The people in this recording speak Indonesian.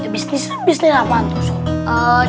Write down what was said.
bisnis bisnis apaan tuh sun